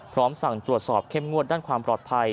สั่งตรวจสอบเข้มงวดด้านความปลอดภัย